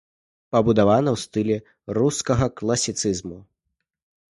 Пабудавана ў стылі рускага класіцызму.